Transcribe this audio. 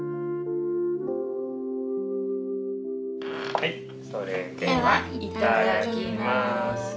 はいそれでは頂きます。